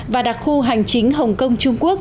và đặc khu hành chính hồng kông trung quốc